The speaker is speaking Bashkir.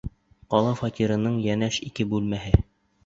Ҡала фатирының йәнәш ике бүлмәһе.